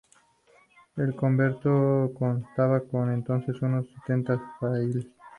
El convento contaba por entonces con unos sesenta frailes.